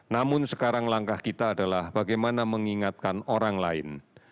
namun sekarang langkah kita adalah bagaimana mengingatkan orang lain